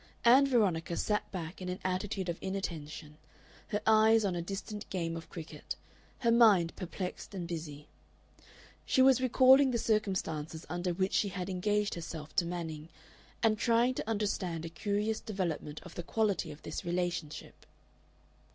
Ann Veronica sat back in an attitude of inattention, her eyes on a distant game of cricket, her mind perplexed and busy. She was recalling the circumstances under which she had engaged herself to Manning, and trying to understand a curious development of the quality of this relationship.